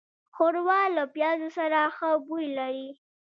ښوروا له پيازو سره ښه بوی لري.